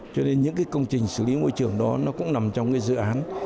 cho nên những công trình xử lý môi trường đó nó cũng nằm trong cái dự án